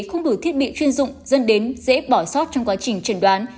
không đủ thiết bị chuyên dụng dân đến dễ bỏ sót trong quá trình trần đoán